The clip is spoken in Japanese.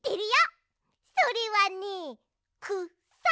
それはねくさ。